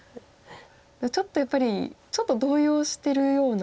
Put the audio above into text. ちょっとやっぱりちょっと動揺してるような。